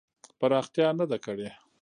پراختیا نه ده کړې.